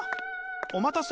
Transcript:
「お待たせ！」